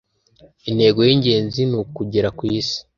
Intego yingenzi ni ukugera kwisi